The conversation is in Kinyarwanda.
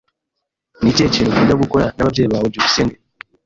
Ni ikihe kintu ukunda gukora n'ababyeyi bawe? byukusenge